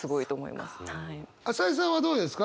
朝井さんはどうですか？